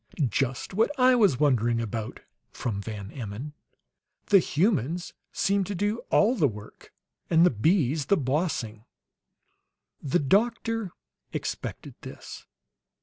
"Just what I was wondering about," from Van Emmon. "The humans seem to do all the work, and the bees the bossing!" The doctor expected this.